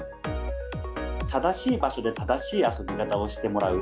正しい場所で正しい遊び方をしてもらう。